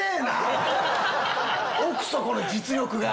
奥底の実力が！